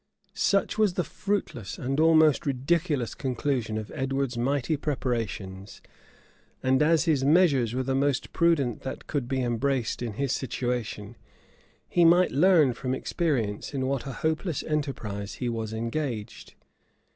[*] Such was the fruitless and almost ridiculous conclusion of Edward's mighty preparations; and as his measures were the most prudent that could be embraced in his situation, he might learn from experience in what a hopeless enterprise he was engaged.